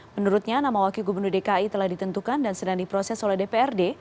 menurutnya nama wakil gubernur dki telah ditentukan dan sedang diproses oleh dprd